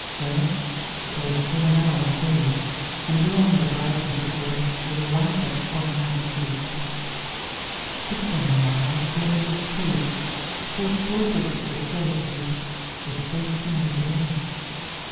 Well, there is still an hour of day, And long the brightness of the West Will light us on our devious way; Sit then, awhile, here in this wood So total is the solitude, We safely may delay.